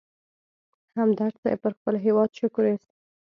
همدرد صیب پر خپل هېواد شکر اېست.